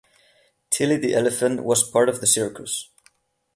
Tillie the elephant was part of the circus.